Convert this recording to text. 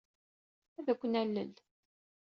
Ad ken-nalel.